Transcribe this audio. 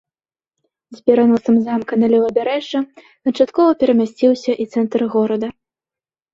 З пераносам замка на левабярэжжа канчаткова перамясціўся і цэнтр горада.